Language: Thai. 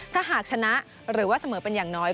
ถ้าหากชนะหรือว่าเสมอเป็นอย่างน้อย